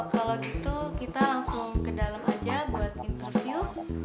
kalau gitu kita langsung ke dalam aja buat interview